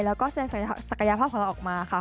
แล้วก็เซ็นศักยภาพของเราออกมาค่ะ